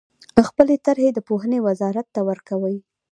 خپلې طرحې د پوهنې وزارت ته ورکوي.